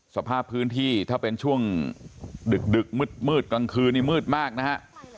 สภาพพื้นที่ถ้าเป็นช่วงดึกมืดกลางคืนนี้มืดมากนะฮะ